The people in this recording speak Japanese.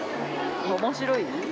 面白い？